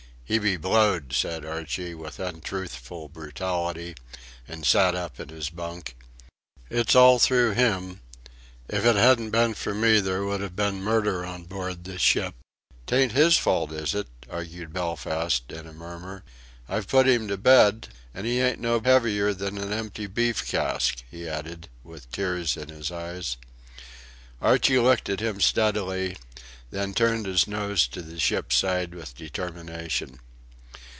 "He be blowed!" said Archie with untruthful brutality, and sat up in his bunk; "It's all through him. If it hadn't been for me, there would have been murder on board this ship!" "'Tain't his fault, is it?" argued Belfast, in a murmur; "I've put him to bed... an' he ain't no heavier than an empty beef cask," he added, with tears in his eyes. Archie looked at him steadily, then turned his nose to the ship's side with determination.